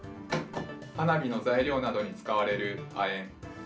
花火の材料などに使われる亜鉛。